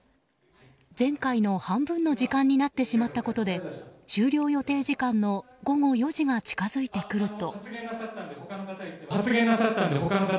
前回の半分の時間になってしまったことで終了予定時間の午後４時が近づいてくると。